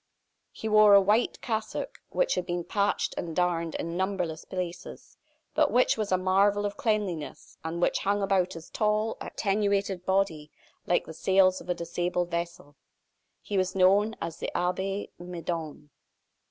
He wore a white cassock, which had been patched and darned in numberless places, but which was a marvel of cleanliness, and which hung about his tall, attenuated body like the sails of a disabled vessel. He was known as the Abbe Midon.